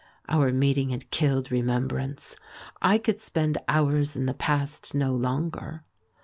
Our meeting had killed Remembrance ; I could spend hours in the past no longer.